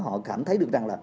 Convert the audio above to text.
họ cảm thấy được rằng là